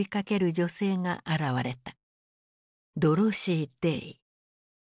ドロシー・デイ。